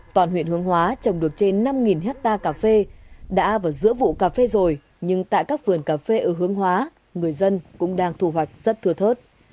toàn huyện hướng hóa trồng được trên năm hectare cà phê đã vào giữa vụ cà phê rồi nhưng tại các vườn cà phê ở hướng hóa người dân cũng đang thu hoạch rất thưa thớt